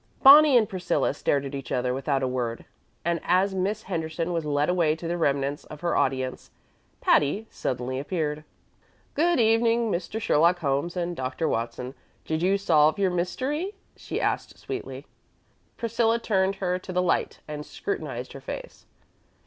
Bonnie and Priscilla stared at each other without a word, and as Miss Henderson was led away to the remnants of her audience Patty suddenly appeared. "Good evening, Mr. Sherlock Holmes and Dr. Watson. Did you solve your mystery?" she asked sweetly. Priscilla turned her to the light and scrutinized her face.